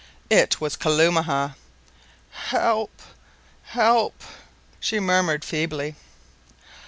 It was Kalumah! "Help! help!" she murmured feebly.